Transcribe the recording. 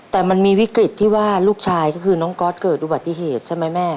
แต่มันมีวิกฤตที่ว่าลูกชายก็คือน้องก๊อตเกิดอุบัติเหตุใช่ไหมแม่